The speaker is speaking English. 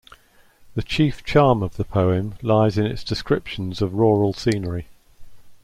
The chief charm of the poem lies in its descriptions of rural scenery.